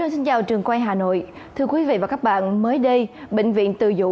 xin chào các bạn mới đây bệnh viện từ dũ